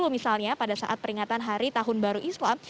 misalnya pada saat peringatan hari tahun baru islam